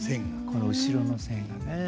この後ろの線がね。